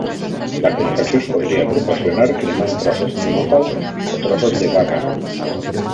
La calefacció es podria proporcionar cremant trossos de búfal o trossos de vaca.